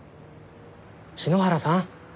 篠原さん？